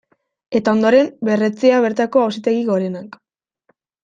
Eta ondoren berretsia bertako Auzitegi Gorenak.